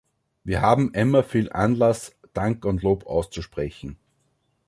Wir haben immer viel Anlass, Dank und Lob auszusprechen.